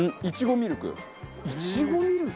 いちごミルク。